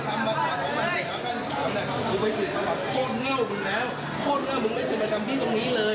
คุยมาหลายหลายรายนะครับมาแบบนี้